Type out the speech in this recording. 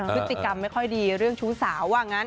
ศึกษิกรรมไม่ค่อยดีเรื่องชู้สาว